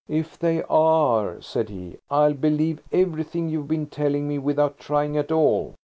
"If they are," said he, "I'll believe everything you've been telling me without trying at all."